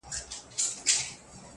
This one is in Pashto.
په غوغا به يې په ښار كي ځوان او زوړ كړ-